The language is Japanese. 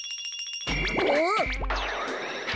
あっ！